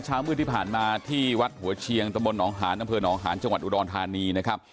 เช้ามืดที่ผ่านมาที่วัดหัวเชียงตมนหลนหลจอุดรธานีนะครับ